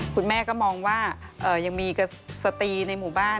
คุณแม่ก็มองว่ายังมีสตรีในหมู่บ้าน